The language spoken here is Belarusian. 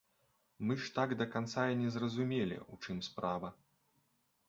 Мы ж так да канца і не зразумелі, у чым справа.